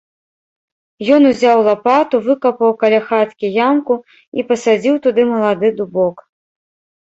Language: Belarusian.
Ён узяў лапату, выкапаў каля хаткі ямку і пасадзіў туды малады дубок.